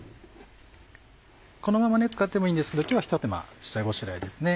このまま使ってもいいんですけど今日はひと手間下ごしらえですね。